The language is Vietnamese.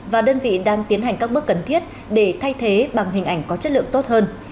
và đơn vị đang tiến hành các bước cần thiết để thay thế bằng hình ảnh có chất lượng tốt hơn